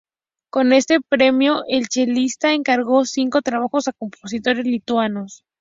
Con este premio, el chelista encargó cinco trabajos a compositores lituanos.